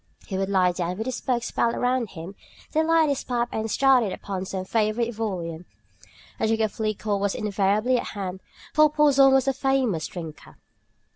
He would lie down with his books piled around him, then light his pipe and start in upon some favorite volume. A jug of liquor was invariably at hand, for Porson was a famous drinker.